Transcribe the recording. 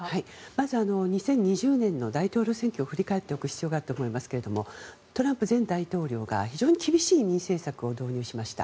まず２０２０年の大統領選挙を振り返っておく必要があると思いますけどトランプ前大統領が非常に厳しい移民政策を導入しました。